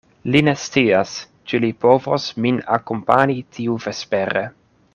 Li ne scias, ĉu li povos min akompani tiuvespere.